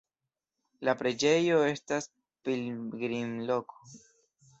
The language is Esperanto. La preĝejo estas pilgrimloko.